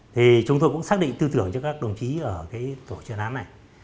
thì chúng tôi cũng xác định tư tưởng cho các đồng chí ở cái tổ chuyên án này